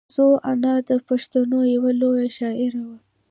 نازو انا د پښتنو یوه لویه شاعره وه.